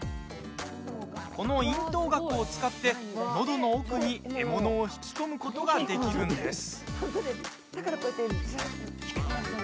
この咽頭顎を使ってのどの奥に獲物を引き込むことができるんです。